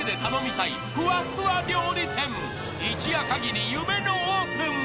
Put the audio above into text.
［一夜限り夢のオープン］